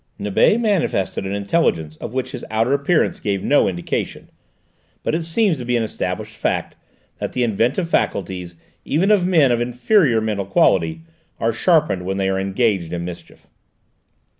Nibet manifested an intelligence of which his outer appearance gave no indication; but it seems to be an established fact that the inventive faculties, even of men of inferior mental quality, are sharpened when they are engaged in mischief.